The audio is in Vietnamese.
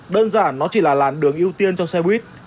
đơn giản nó chỉ là làn đường ưu tiên cho xe buýt